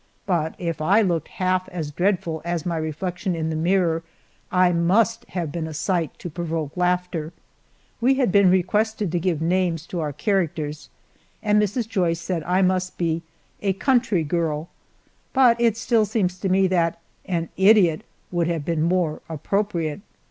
But if I looked half as dreadful as my reflection in the mirror I must have been a sight to provoke laughter. We had been requested to give names to our characters, and Mrs. Joyce said I must be "A Country Girl," but it still seems to me that "An Idiot" would have been more appropriate.